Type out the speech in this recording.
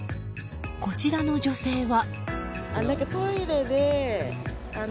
こちらの女性は。